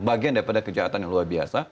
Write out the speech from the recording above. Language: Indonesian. bagian daripada kejahatan yang luar biasa